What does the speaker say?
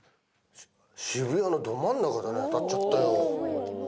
渋谷のど真ん中だね当たっちゃったよ。